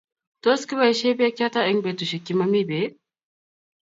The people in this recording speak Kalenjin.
Tos kibaishe peek chotok eng' petushek che mami peek